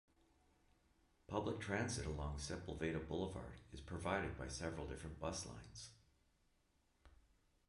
Public transit along Sepulveda Boulevard is provided by several different bus lines.